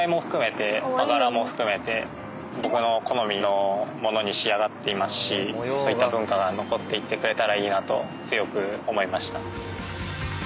僕の好みの物に仕上がっていますしそういった文化が残っていってくれたらいいなと強く思いました。